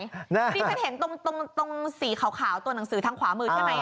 นี่ฉันเห็นตรงสีขาวตัวหนังสือทางขวามือใช่ไหม